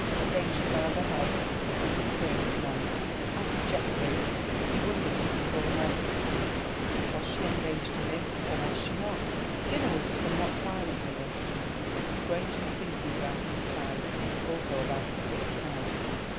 Again she bowed her head, and he turned and went. As for Geoffrey, he wondered what it all meant: was she engaged to him, or was she not? Dinner was a somewhat silent meal. Mr. Granger was thinking about his tithe, also about a sick cow.